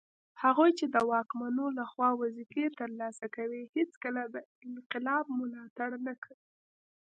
هغوی چي د واکمنو لخوا وظیفې ترلاسه کوي هیڅکله د انقلاب ملاتړ نه کوي